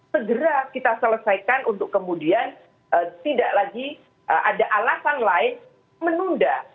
segera kita selesaikan untuk kemudian tidak lagi ada alasan lain menunda